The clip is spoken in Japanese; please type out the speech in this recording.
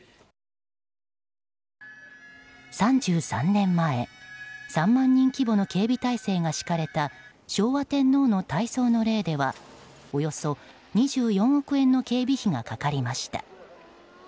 ３３年前、３万人規模の警備態勢が敷かれた昭和天皇の大喪の礼ではおよそ２４億円の警備費がかかりました。